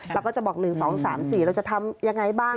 เราก็จะบอก๑๒๓๔เราจะทำยังไงบ้าง